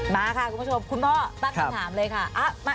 มาค่ะคุณผู้ชมคุณหมอตั้งคำถามเลยค่ะมาเอ็นตรงนั้น